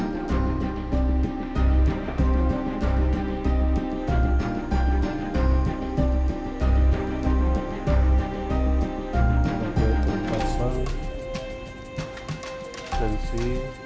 pembasan sensi saturasi